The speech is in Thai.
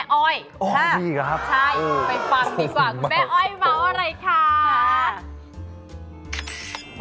ไปฟังดีกว่าแม่อ้อยมาว่าอะไรค่ะ